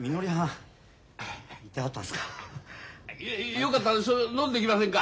よかったら飲んでいきませんか。